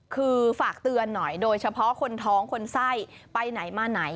คือฝากเตือนหน่อยโดยเฉพาะคนท้องคนไส้ไปไหนมาไหน